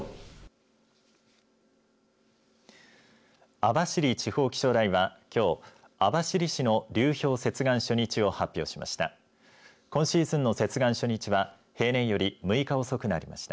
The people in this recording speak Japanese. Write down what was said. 網走地方気象台はきょう網走市の流氷接岸初日を発表しました。